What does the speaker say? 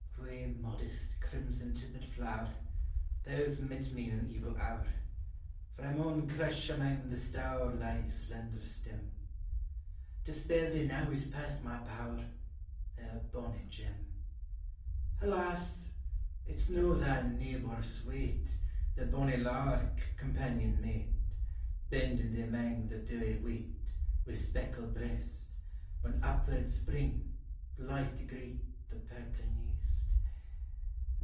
Wee, modest, crimson tipped flower, Thou 's mel me in an evil hour, For I maun crush amang the stoure Thy slender stem ; To spare thee now is past ni\ power, Thou bonny gem. Alas! H 's no thy neebor sweet, The bonnie lark, companion meet, Bending thee 'mang the dewy weet, \\T spreckled breast, When upward springing, blithe to greet The purpling east.